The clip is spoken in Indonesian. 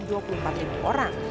menanggung dua puluh empat ribu orang